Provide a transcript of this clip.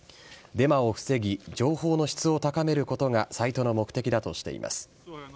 デマを防ぎ、情報の質を高めることがサイトの目的だとしています。